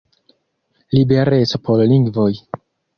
Libereco por lingvoj!